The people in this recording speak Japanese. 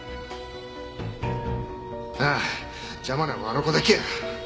ああ邪魔なんはあの子だけや。